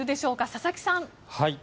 佐々木さん。